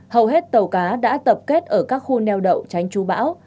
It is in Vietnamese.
hầu hết tàu cá đã tập kết ở các khu neo đậu tránh chú bão